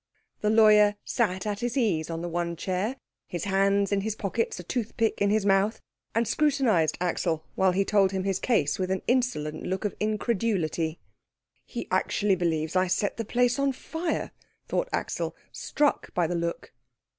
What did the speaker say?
The lawyer sat at his ease on the one chair, his hands in his pockets, a toothpick in his mouth, and scrutinised Axel while he told him his case, with an insolent look of incredulity. "He actually believes I set the place on fire," thought Axel, struck by the look.